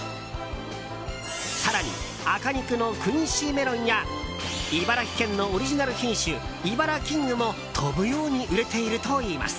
更に赤肉のクインシーメロンや茨城県のオリジナル品種イバラキングも飛ぶように売れているといいます。